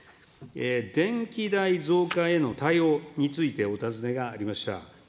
電気代増加への対応についてお尋ねがありました。